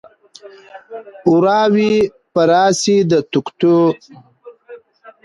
وراوي به راسي د توتکیو